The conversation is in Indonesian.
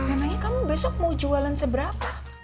emangnya kamu besok mau jualan seberapa